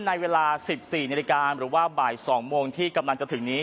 ในเวลา๑๔นาฬิกาหรือว่าบ่าย๒โมงที่กำลังจะถึงนี้